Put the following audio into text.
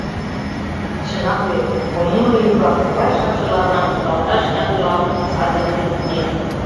Чынак вет, коммуна ӱмбак могай шакше лавырам кудалташ ямдылалтын саде юмын еҥ.